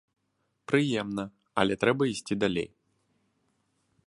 Прыемна, але трэба ісці далей.